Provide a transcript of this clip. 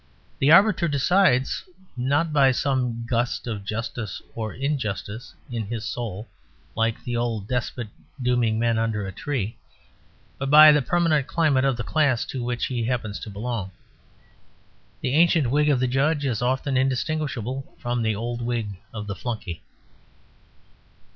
The arbiter decides, not by some gust of justice or injustice in his soul like the old despot dooming men under a tree, but by the permanent climate of the class to which he happens to belong. The ancient wig of the judge is often indistinguishable from the old wig of the flunkey.